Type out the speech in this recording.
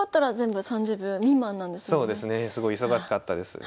すごい忙しかったですね。